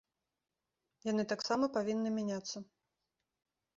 Яны таксама павінны мяняцца!